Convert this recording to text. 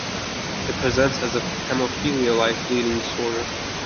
It presents as a hemophilia-like bleeding disorder.